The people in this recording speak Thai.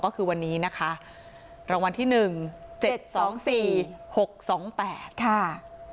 ก็คือวันนี้นะคะรางวัลที่หนึ่งเจ็ดสองสี่หกสองแปดค่ะ